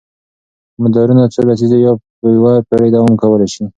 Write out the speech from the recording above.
مدارونه څو لسیزې یا یوه پېړۍ دوام کولی شي.